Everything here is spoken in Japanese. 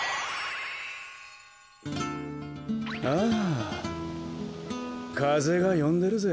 あぁかぜがよんでるぜ。